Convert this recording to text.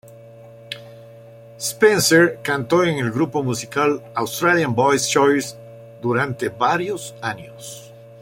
Spencer cantó en el grupo musical "Australian Boys Choir" durante varios años.